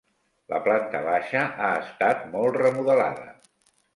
La planta baixa ha estat molt remodelada.